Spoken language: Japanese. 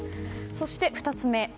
そして、２つ目。